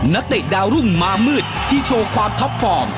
เตะดาวรุ่งมามืดที่โชว์ความท็อปฟอร์ม